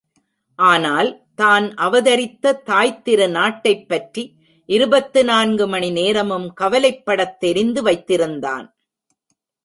ஆனால், தான் அவதரித்த தாய்த் திருநாட்டைப்பற்றி இருபத்து நான்கு மணி நேரமும் கவலைப்படத் தெரிந்து வைத்திருந்தான்.